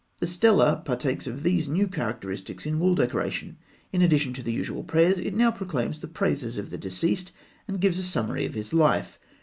The stela partakes of these new characteristics in wall decoration. In addition to the usual prayers, it now proclaims the praises of the deceased, and gives a summary of his life.